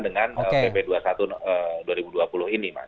dengan pp dua puluh satu dua ribu dua puluh ini mas